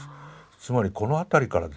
つまりこの辺りからですね